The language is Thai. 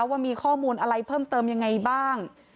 ว่ามีข้อมูลอะไรเพิ่มเติมยังไงบ้าง